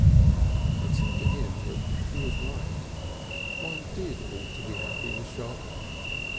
It seemed to him that she was right. One did ought to be happy in a shop.